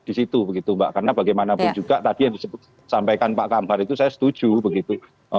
di situ begitu mbak karena bagaimanapun juga tadi yang disampaikan pak kambar itu saya setuju begitu